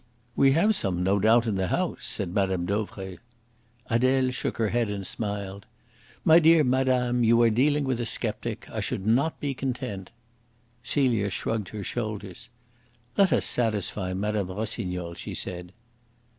"We have some, no doubt, in the house," said Mme. Dauvray. Adele shook her head and smiled. "My dear madame, you are dealing with a sceptic. I should not be content." Celia shrugged her shoulders. "Let us satisfy Mme. Rossignol," she said.